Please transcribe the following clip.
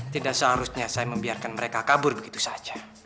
tidak seharusnya saya membiarkan mereka kabur begitu saja